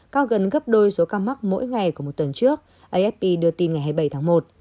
cao gần gấp đôi số ca mắc mỗi ngày của một tuần trước afp đưa tin ngày hai mươi bảy tháng một